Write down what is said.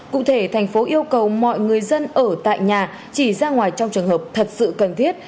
cụ thể thành phố yêu cầu mọi người dân ở tại nhà chỉ ra ngoài trong trường hợp thật sự cần thiết